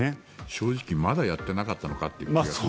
正直、まだやっていなかったのかっていう。